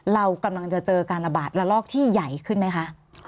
เรากำลังจะเจอการระบาดระลอกที่ใหญ่ขึ้นไหมคะ